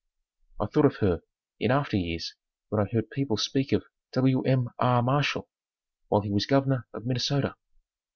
I thought of her in after years when I heard people speak of Wm. R. Marshall while he was Governor of Minnesota.